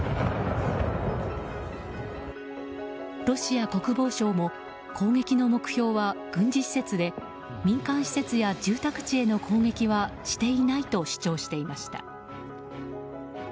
ロシア国防省も攻撃の目標は軍事施設で民間施設や住宅地への攻撃はしていないと主張していました。